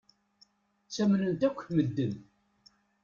Ttamnen-t akk medden.